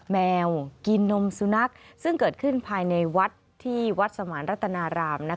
แมวกินนมสุนัขซึ่งเกิดขึ้นภายในวัดที่วัดสมานรัตนาราม